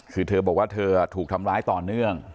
คือเธอบอกว่าเธอถูกทำร้ายต่อเนื่อง